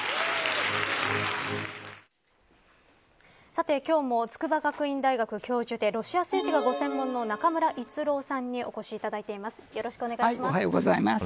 さて今日も筑波学院大学教授でロシア政治がご専門の中村逸郎さんにお越しいただいています。